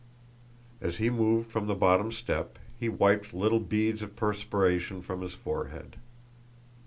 As he moved from the bottom step, he wiped little beads of perspiration from his forehead.